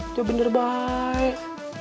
itu bener baik